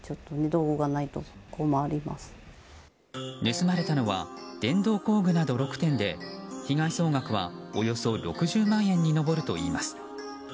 盗まれたのは電動工具など６点で被害総額はおよそ６０万円に上るといいます。